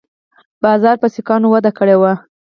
بازار په سیکانو وده کړې وه